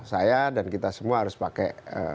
saya dan kita semua harus pakai